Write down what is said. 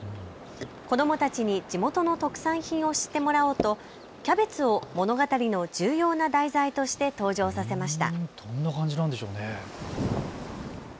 子どもたちに地元の特産品を知ってもらおうとキャベツを物語の重要な題材として登場させました。